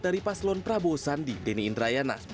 dari paslon prabowo sandi deni indrayana